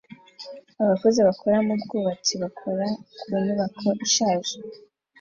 Abakozi bakora mu bwubatsi bakora ku nyubako ishaje